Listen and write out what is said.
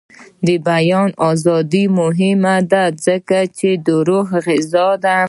د بیان ازادي مهمه ده ځکه چې د روح غذا ده.